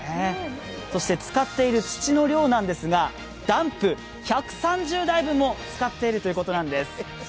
そして使っている土の量なんですがダンプ１３０台分も使っているということなんです。